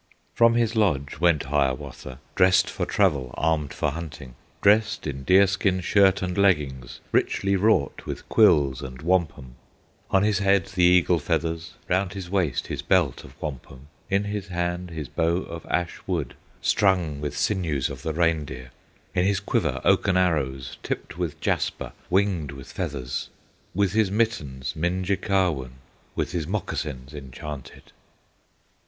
From his lodge went Hiawatha, Dressed for travel, armed for hunting; Dressed in deer skin shirt and leggings, Richly wrought with quills and wampum; On his head his eagle feathers, Round his waist his belt of wampum, In his hand his bow of ash wood, Strung with sinews of the reindeer; In his quiver oaken arrows, Tipped with jasper, winged with feathers; With his mittens, Minjekahwun, With his moccasins enchanted.